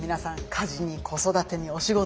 家事に子育てにお仕事